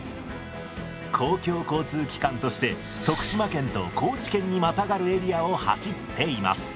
公共交通機関として徳島県と高知県にまたがるエリアを走っています。